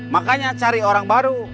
makanya cari orang baru